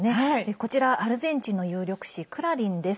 こちら、アルゼンチンの有力紙クラリンです。